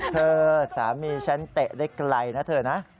เธอสามีฉันเตะได้ไกลนะเธอนะ